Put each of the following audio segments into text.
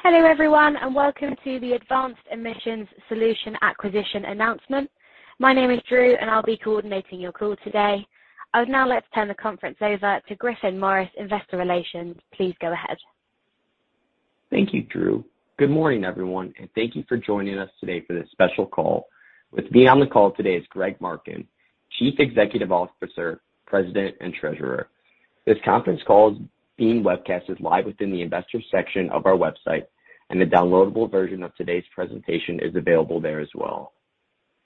Hello, everyone, welcome to the Advanced Emissions Solutions acquisition announcement. My name is Drew, and I'll be coordinating your call today. I would now like to turn the conference over to Griffin Morris, investor relations. Please go ahead. Thank you, Drew. Good morning, everyone, thank you for joining us today for this special call. With me on the call today is Greg Marken, Chief Executive Officer, President, and Treasurer. This conference call is being webcasted live within the investors section of our website, a downloadable version of today's presentation is available there as well.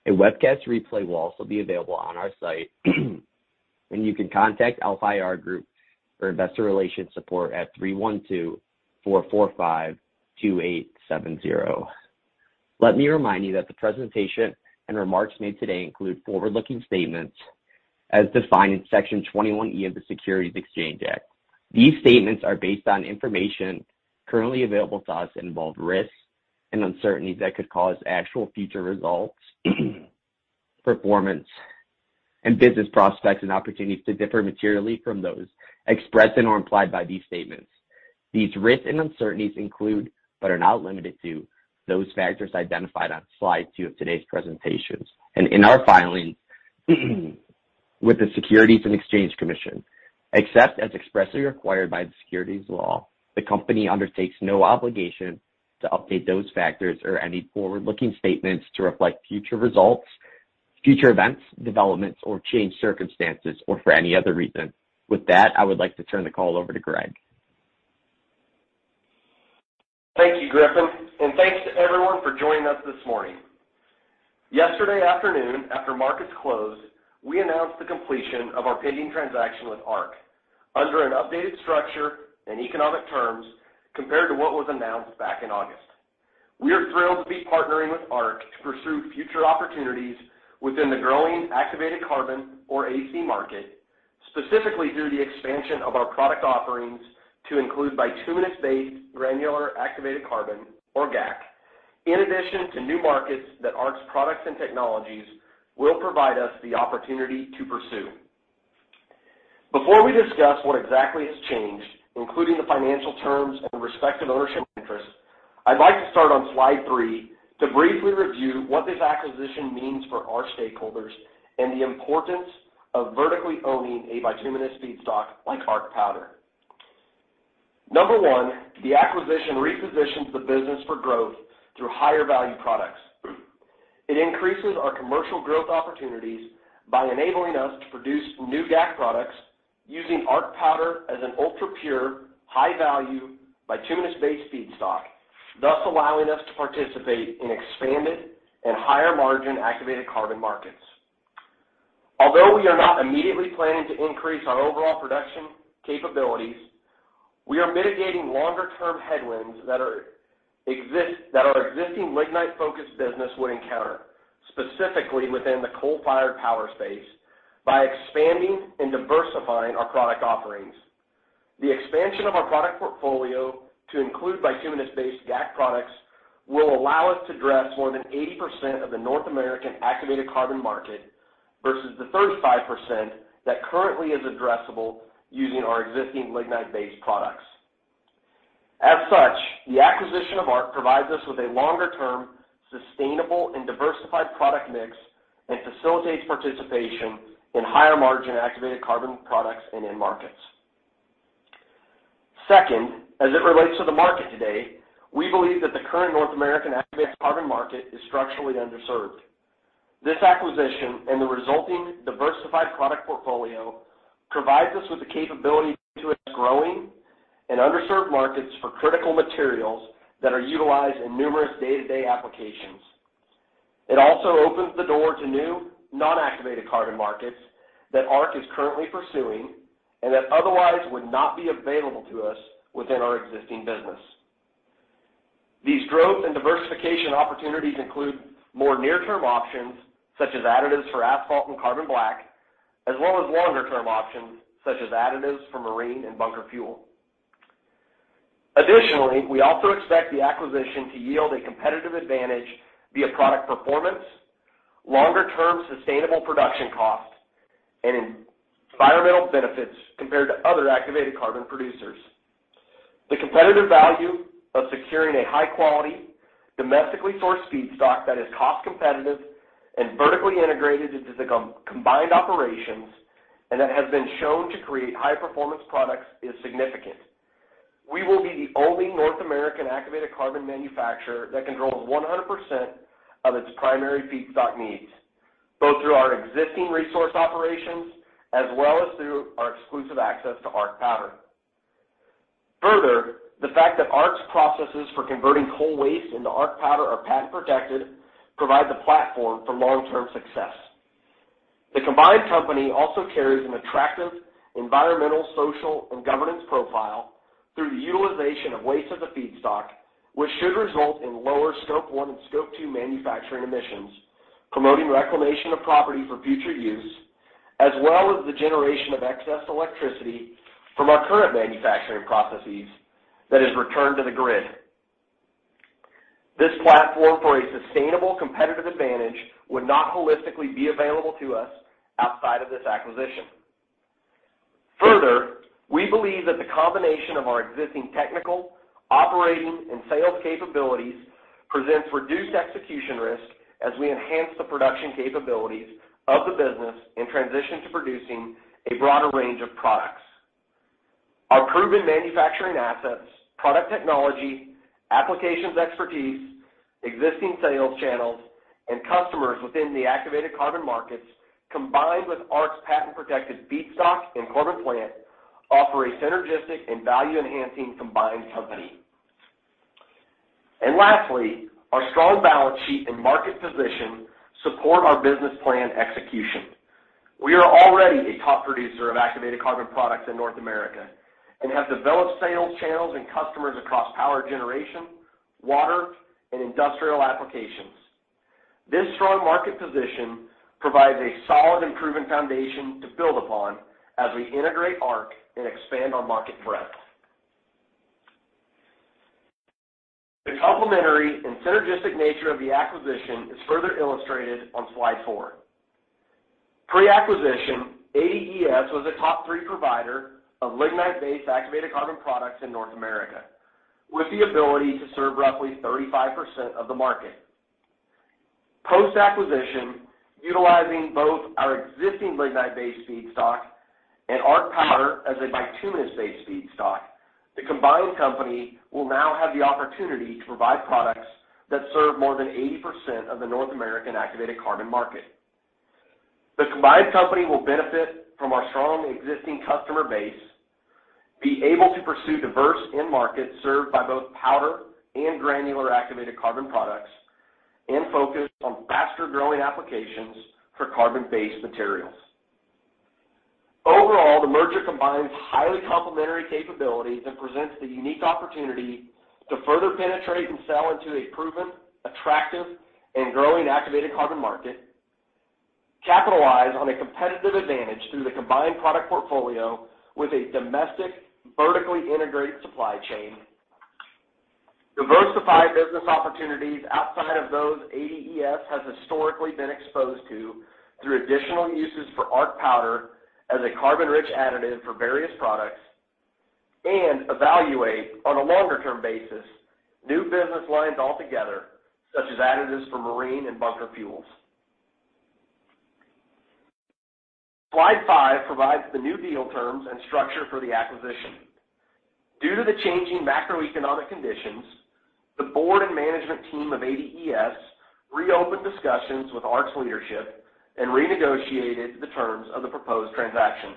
A webcast replay will also be available on our site. You can contact LHA Investor Relations for investor relations support at 312-445-2870. Let me remind you that the presentation and remarks made today include forward-looking statements as defined in Section 21E of the Securities Exchange Act. These statements are based on information currently available to us involve risks and uncertainties that could cause actual future results, performance, and business prospects and opportunities to differ materially from those expressed and/or implied by these statements. These risks and uncertainties include, but are not limited to, those factors identified on slide 2 of today's presentations and in our filings with the Securities and Exchange Commission. Except as expressly required by the securities law, the company undertakes no obligation to update those factors or any forward-looking statements to reflect future results, future events, developments, or changed circumstances, or for any other reason. With that, I would like to turn the call over to Greg. Thank you, Griffin, thanks to everyone for joining us this morning. Yesterday afternoon, after markets closed, we announced the completion of our pending transaction with Arq under an updated structure and economic terms compared to what was announced back in August. We are thrilled to be partnering with Arq to pursue future opportunities within the growing activated carbon, or AC market, specifically through the expansion of our product offerings to include bituminous-based granular activated carbon, or GAC, in addition to new markets that Arq's products and technologies will provide us the opportunity to pursue. Before we discuss what exactly has changed, including the financial terms and respective ownership interests, I'd like to start on slide 3 to briefly review what this acquisition means for our stakeholders and the importance of vertically owning a bituminous feedstock like Arq Powder. Number one, the acquisition repositions the business for growth through higher value products. It increases our commercial growth opportunities by enabling us to produce new GAC products using Arq Powder as an ultra-pure, high-value, bituminous-based feedstock, thus allowing us to participate in expanded and higher margin activated carbon markets. Although we are not immediately planning to increase our overall production capabilities, we are mitigating longer term headwinds that our existing lignite-focused business would encounter, specifically within the coal-fired power space, by expanding and diversifying our product offerings. The expansion of our product portfolio to include bituminous-based GAC products will allow us to address more than 80% of the North American activated carbon market versus the 35% that currently is addressable using our existing lignite-based products. The acquisition of Arq provides us with a longer-term, sustainable, and diversified product mix and facilitates participation in higher margin activated carbon products and end markets. As it relates to the market today, we believe that the current North American activated carbon market is structurally underserved. This acquisition and the resulting diversified product portfolio provides us with the capability to its growing and underserved markets for critical materials that are utilized in numerous day-to-day applications. It also opens the door to new non-activated carbon markets that Arq is currently pursuing and that otherwise would not be available to us within our existing business. These growth and diversification opportunities include more near-term options such as additives for asphalt and carbon black, as well as longer-term options such as additives for marine and bunker fuel. We also expect the acquisition to yield a competitive advantage via product performance, longer-term sustainable production costs, and environmental benefits compared to other activated carbon producers. The competitive value of securing a high quality, domestically sourced feedstock that is cost competitive and vertically integrated into the combined operations and that has been shown to create high performance products is significant. We will be the only North American activated carbon manufacturer that controls 100% of its primary feedstock needs, both through our existing resource operations as well as through our exclusive access to Arq Powder. The fact that Arq's processes for converting coal waste into Arq Powder are patent protected provide the platform for long-term success. The combined company also carries an attractive environmental, social, and governance profile through the utilization of waste as a feedstock, which should result in lower Scope 1 and Scope 2 manufacturing emissions, promoting reclamation of property for future use, as well as the generation of excess electricity from our current manufacturing processes that is returned to the grid. This platform for a sustainable competitive advantage would not holistically be available to us outside of this acquisition. We believe that the combination of our existing technical, operating, and sales capabilities presents reduced execution risk as we enhance the production capabilities of the business and transition to producing a broader range of products. Our proven manufacturing assets, product technology, applications expertise, existing sales channels, and customers within the activated carbon markets, combined with Arq's patent-protected feedstock and Corbin plant, offer a synergistic and value-enhancing combined company. Lastly, our strong balance sheet and market position support our business plan execution. We are already a top producer of activated carbon products in North America and have developed sales channels and customers across power generation, water, and industrial applications. This strong market position provides a solid and proven foundation to build upon as we integrate Arq and expand our market breadth. The complementary and synergistic nature of the acquisition is further illustrated on slide 4. Pre-acquisition, ADES was a top 3 provider of lignite-based activated carbon products in North America, with the ability to serve roughly 35% of the market. Post-acquisition, utilizing both our existing lignite-based feedstock and Arq Powder as a bituminous-based feedstock, the combined company will now have the opportunity to provide products that serve more than 80% of the North American activated carbon market. The combined company will benefit from our strong existing customer base, be able to pursue diverse end markets served by both powder and granular activated carbon products, and focus on faster-growing applications for carbon-based materials. Overall, the merger combines highly complementary capabilities and presents the unique opportunity to further penetrate and sell into a proven, attractive, and growing activated carbon market. Capitalize on a competitive advantage through the combined product portfolio with a domestic, vertically integrated supply chain. Diversify business opportunities outside of those ADES has historically been exposed to through additional uses for Arq Powder as a carbon-rich additive for various products. Evaluate, on a longer-term basis, new business lines altogether, such as ad ditives for marine and bunker fuels. Slide five provides the new deal terms and structure for the acquisition. Due to the changing macroeconomic conditions, the board and management team of ADES reopened discussions with Arq's leadership and renegotiated the terms of the proposed transaction.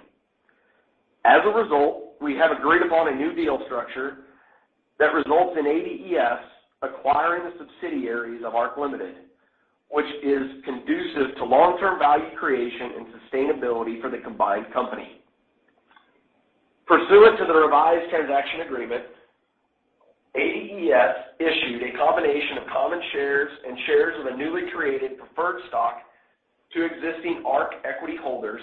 As a result, we have agreed upon a new deal structure that results in ADES acquiring the subsidiaries of Arq Limited, which is conducive to long-term value creation and sustainability for the combined company. Pursuant to the revised transaction agreement, ADES issued a combination of common shares and shares of a newly created preferred stock to existing Arq equity holders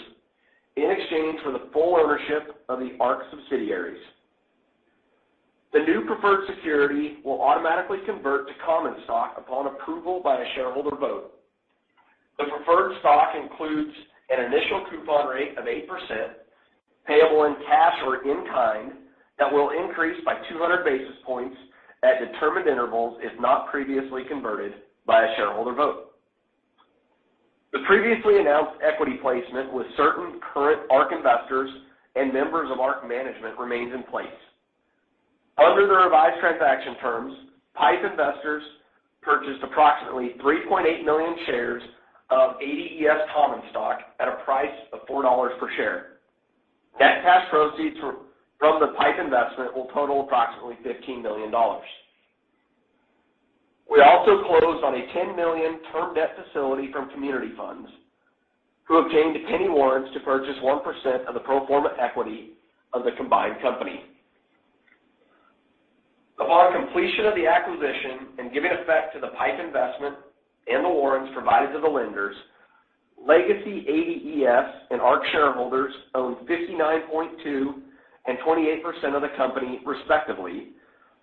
in exchange for the full ownership of the Arq subsidiaries. The new preferred security will automatically convert to common stock upon approval by a shareholder vote. The preferred stock includes an initial coupon rate of 8%, payable in cash or in kind, that will increase by 200 basis points at determined intervals if not previously converted by a shareholder vote. The previously announced equity placement with certain current Arq investors and members of Arq management remains in place. Under the revised transaction terms, PIPE investors purchased approximately 3.8 million shares of ADES common stock at a price of $4 per share. Net cash proceeds from the PIPE investment will total approximately $15 million. We also closed on a $10 million term debt facility from Community Development Venture Capital Alliance, who obtained penny warrants to purchase 1% of the pro forma equity of the combined company. Upon completion of the acquisition and giving effect to the PIPE investment and the warrants provided to the lenders, legacy ADES and Arq shareholders own 59.2% and 28% of the company respectively,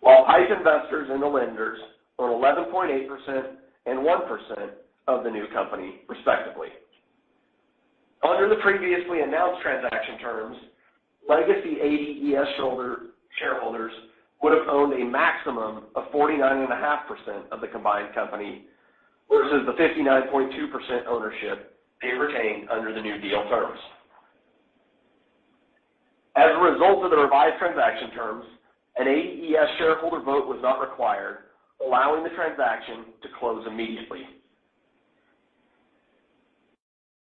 while PIPE investors and the lenders own 11.8% and 1% of the new company respectively. Under the previously announced transaction terms, legacy ADES shareholders would have owned a maximum of 49.5% of the combined company versus the 59.2% ownership they retained under the new deal terms. As a result of the revised transaction terms, an ADES shareholder vote was not required, allowing the transaction to close immediately.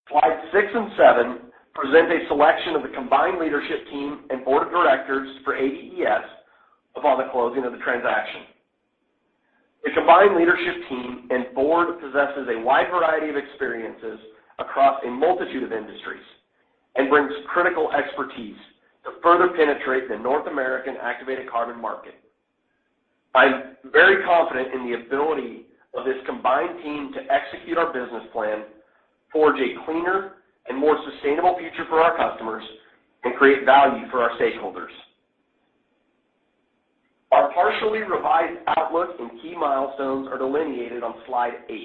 Slides 6 and 7 present a selection of the combined leadership team and board of directors for ADES upon the closing of the transaction. The combined leadership team and board possesses a wide variety of experiences across a multitude of industries and brings critical expertise to further penetrate the North American activated carbon market. I'm very confident in the ability of this combined team to execute our business plan. Forge a cleaner and more sustainable future for our customers and create value for our stakeholders. Our partially revised outlook and key milestones are delineated on slide 8.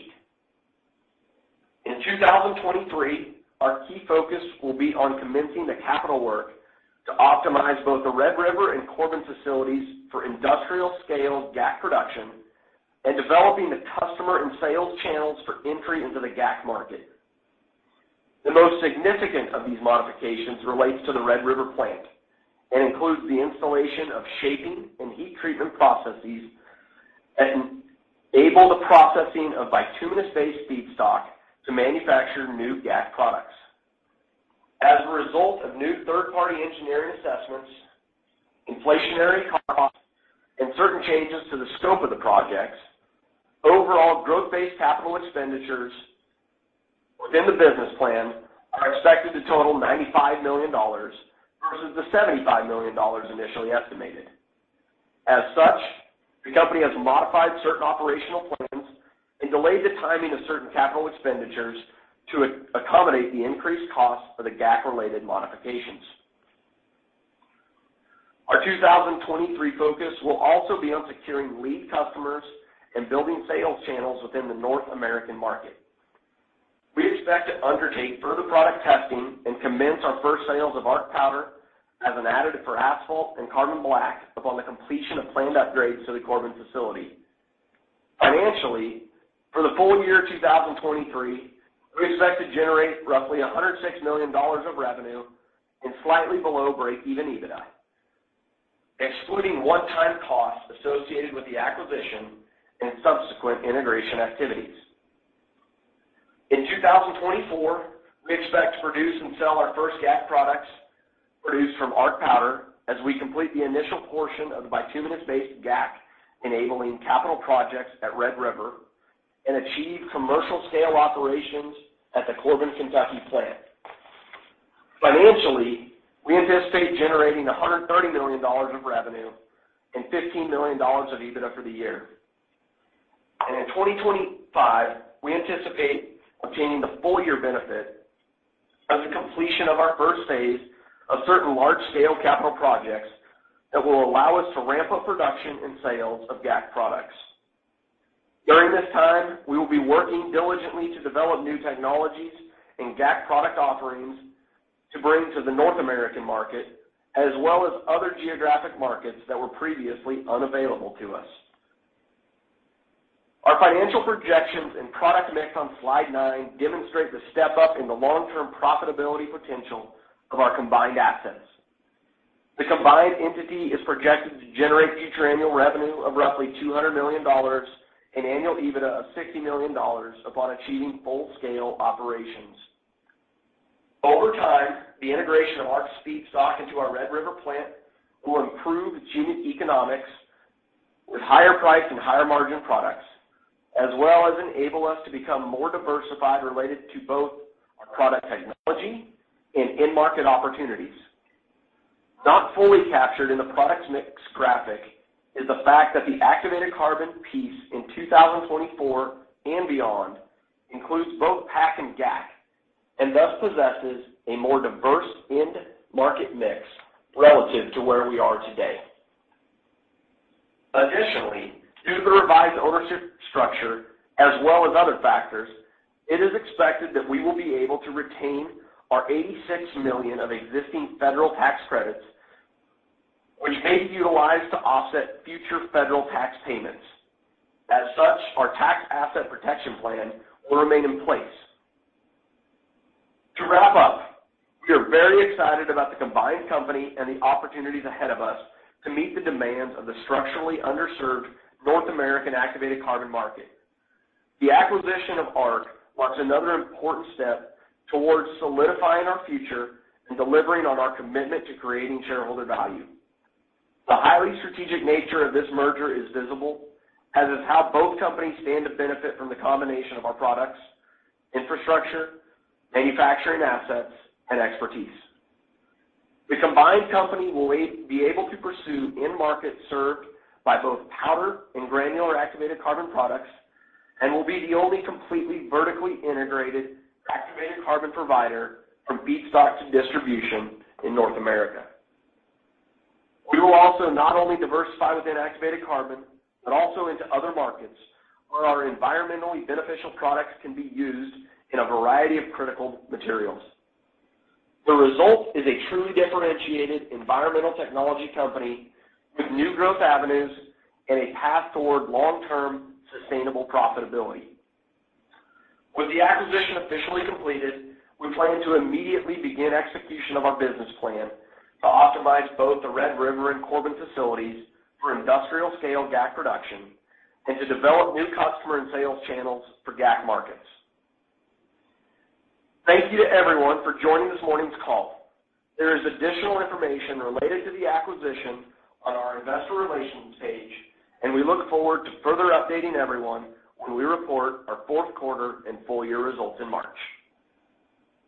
In 2023, our key focus will be on commencing the capital work to optimize both the Red River and Corbin facilities for industrial scale GAC production and developing the customer and sales channels for entry into the GAC market. The most significant of these modifications relates to the Red River plant and includes the installation of shaping and heat treatment processes and able the processing of bituminous-based feedstock to manufacture new GAC products. As a result of new third-party engineering assessments, inflationary costs, and certain changes to the scope of the projects, overall growth-based capital expenditures within the business plan are expected to total $95 million versus the $75 million initially estimated. The company has modified certain operational plans and delayed the timing of certain capital expenditures to accommodate the increased cost of the GAC related modifications. Our 2023 focus will also be on securing lead customers and building sales channels within the North American market. We expect to undertake further product testing and commence our first sales of Arq Powder as an additive for asphalt and carbon black upon the completion of planned upgrades to the Corbin facility. Financially, for the full year 2023, we expect to generate roughly $106 million of revenue and slightly below break-even EBITDA, excluding one-time costs associated with the acquisition and subsequent integration activities. In 2024, we expect to produce and sell our first GAC products produced from Arq Powder as we complete the initial portion of the bituminous-based GAC, enabling capital projects at Red River and achieve commercial scale operations at the Corbin, Kentucky plant. Financially, we anticipate generating $130 million of revenue and $15 million of EBITDA for the year. In 2025, we anticipate obtaining the full year benefit of the completion of our first phase of certain large-scale capital projects that will allow us to ramp up production and sales of GAC products. During this time, we will be working diligently to develop new technologies and GAC product offerings to bring to the North American market, as well as other geographic markets that were previously unavailable to us. Our financial projections and product mix on slide 9 demonstrate the step up in the long-term profitability potential of our combined assets. The combined entity is projected to generate future annual revenue of roughly $200 million and annual EBITDA of $60 million upon achieving full-scale operations. Over time, the integration of Arq's feedstock into our Red River plant will improve unit economics with higher price and higher margin products, as well as enable us to become more diversified related to both our product technology and end market opportunities. Not fully captured in the product mix graphic is the fact that the activated carbon piece in 2024 and beyond includes both PAC and GAC, and thus possesses a more diverse end market mix relative to where we are today. Additionally, due to the revised ownership structure as well as other factors, it is expected that we will be able to retain our $86 million of existing federal tax credits, which may be utilized to offset future federal tax payments. As such, our tax asset protection plan will remain in place. To wrap up, we are very excited about the combined company and the opportunities ahead of us to meet the demands of the structurally underserved North American activated carbon market. The acquisition of Arq marks another important step towards solidifying our future and delivering on our commitment to creating shareholder value. The highly strategic nature of this merger is visible, as is how both companies stand to benefit from the combination of our products, infrastructure, manufacturing assets, and expertise. The combined company will be able to pursue end markets served by both powder and granular activated carbon products, and will be the only completely vertically integrated activated carbon provider from feedstock to distribution in North America. We will also not only diversify within activated carbon, but also into other markets where our environmentally beneficial products can be used in a variety of critical materials. The result is a truly differentiated environmental technology company with new growth avenues and a path toward long-term sustainable profitability. With the acquisition officially completed, we plan to immediately begin execution of our business plan to optimize both the Red River and Corbin facilities for industrial scale GAC production and to develop new customer and sales channels for GAC markets. Thank you to everyone for joining this morning's call. There is additional information related to the acquisition on our investor relations page. We look forward to further updating everyone when we report our fourth quarter and full year results in March.